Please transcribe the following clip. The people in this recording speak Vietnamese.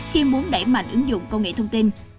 khi muốn đẩy mạnh ứng dụng công nghệ thông tin